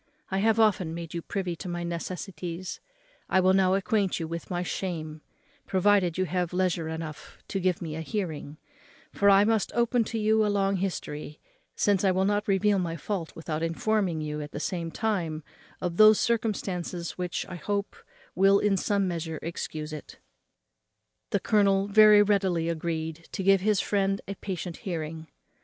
I have often made you privy to my necessities, I will now acquaint you with my shame, provided you have leisure enough to give me a hearing: for I must open to you a long history, since I will not reveal my fault without informing you, at the same time, of those circumstances which, I hope, will in some measure excuse it." The colonel very readily agreed to give his friend a patient hearing.